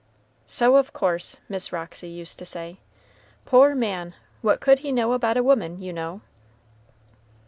"So, of course," Miss Roxy used to say, "poor man! what could he know about a woman, you know?"